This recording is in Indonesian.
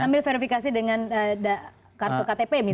sambil verifikasi dengan kartu ktp misalnya